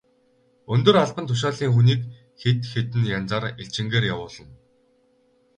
Өндөр албан тушаалын хүнийг хэд хэдэн янзаар элчингээр явуулна.